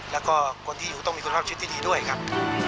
แล้วก็คนที่อยู่ต้องมีคนรอบชีวิตที่ดีด้วยครับ